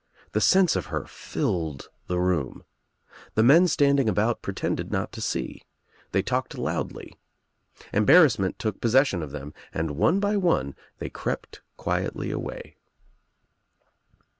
The sense of her filled the room. The men standing about pretended not to see. They talked loudly. Embarrassment took possession of them and one by one they crept quietly away.